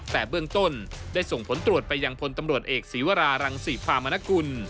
แต่เบื้องต้นได้ส่งผลตรวจไปยังพลตำรวจเอกศีวรารังศรีพามนกุล